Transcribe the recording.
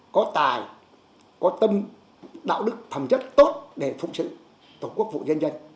có tài có tâm đạo đức thẩm chất tốt để phúc trị tổng quốc vụ nhân dân